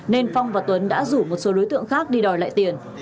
nên phong và tuấn đã rủ một số đối tượng khác đi đòi lại tiền